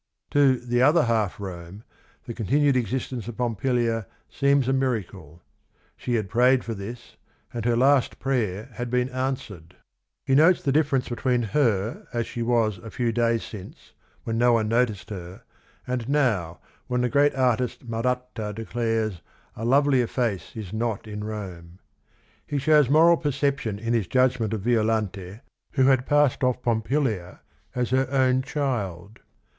" To T he Other Half Rome the continued exist ence of Pomp ilia seems a miracl e. She had prayed for this, and her last prayer had been answered. 40 THE RING AND THE BOOK He notes the difference between her as she was a few days since, when no one noticed her, and now when the great artist Maratta declares "a lovelier face is not in Rome." He shows moral perception in his judgment of Violante who had passed off Pompilia as her own child.